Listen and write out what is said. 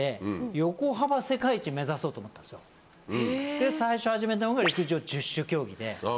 で最初始めたのが陸上十種競技で。